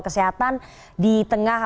kesehatan di tengah